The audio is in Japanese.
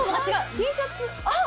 Ｔシャツ？